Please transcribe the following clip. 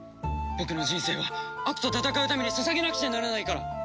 僕の人生は悪と戦うために捧げなくちゃならないから！